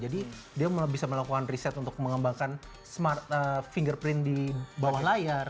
jadi dia bisa melakukan riset untuk mengembangkan smart fingerprint di bawah layar